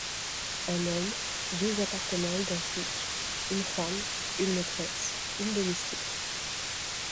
Un homme, deux appartements identiques, une femme, une maîtresse, une domestique.